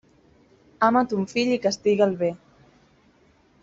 Ama ton fill i castiga'l bé.